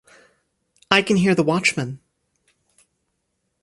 I can hear the watchman.